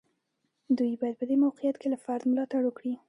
دوی باید په دې موقعیت کې له فرد ملاتړ وکړي.